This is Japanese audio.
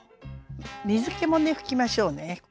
水けもね拭きましょうね。